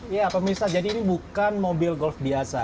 ya pemirsa jadi ini bukan mobil golf biasa